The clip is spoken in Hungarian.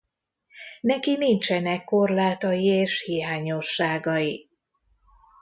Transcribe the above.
Neki nincsenek korlátai és hiányosságai.